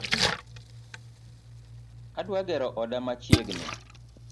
Adwa gero oda machiegni